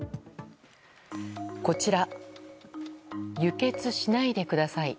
こちら「輸血しないでください」。